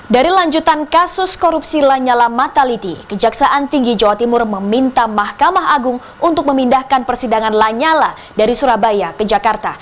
dari lanjutan kasus korupsi lanyala mataliti kejaksaan tinggi jawa timur meminta mahkamah agung untuk memindahkan persidangan lanyala dari surabaya ke jakarta